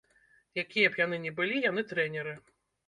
Якія б яны ні былі, яны трэнеры.